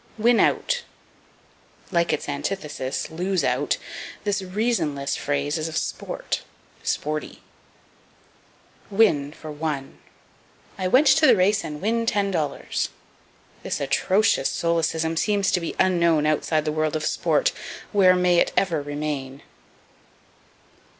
Win out. Like its antithesis, "lose out," this reasonless phrase is of sport, "sporty." Win for Won. "I went to the race and win ten dollars." This atrocious solecism seems to be unknown outside the world of sport, where may it ever remain.